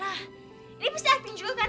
rah ini pasti acting juga kan